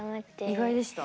意外でした？